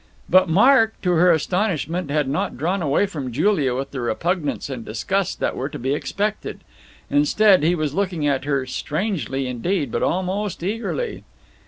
But Mark, to her astonishment, had not drawn away from Julia with the repugnance and disgust that were to be expected. Instead, he was looking at her, strangely, indeed, but almost eagerly.